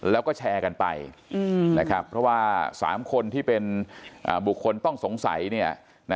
แล้วก็แชร์กันไปนะครับเพราะว่า๓คนที่เป็นบุคคลต้องสงสัยเนี่ย